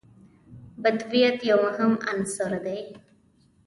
بدویت یو مهم عنصر دی.